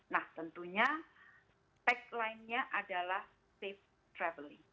nah tentunya taglinenya adalah safe travelling